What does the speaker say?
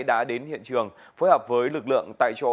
đã đến hiện trường phối hợp với lực lượng tại chỗ